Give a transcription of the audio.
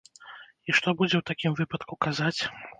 Што будзе ў такім выпадку казаць?